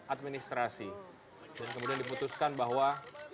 administrasi kemudian diputuskan bahwa